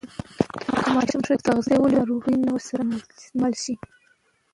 که ماشوم ښه تغذیه ولري، ناروغي نه ورسره مل شي.